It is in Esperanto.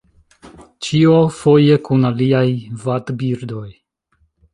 Ĉio foje kun aliaj vadbirdoj.